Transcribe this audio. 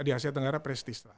di asia tenggara prestis lah